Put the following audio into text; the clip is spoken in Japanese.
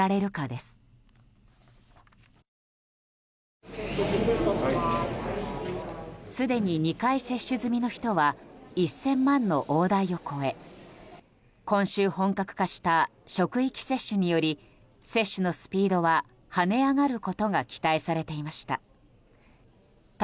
すでに２回接種済みの人は１０００万の大台を超え今週本格化した職域接種により接種のスピードは跳ね上がることが期待されていました。